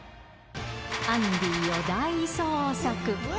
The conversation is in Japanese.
アンディーを大捜索。